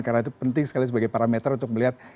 karena itu penting sekali sebagai parameter untuk melihat